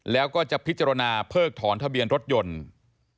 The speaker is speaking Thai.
แล้วก็จะพิจารณาเพิกถอนทะเบียนรถยนต์